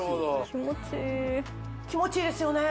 気持ちいい気持ちいいですよね